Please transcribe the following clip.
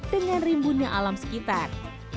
dengan rimbunnya alam sekitar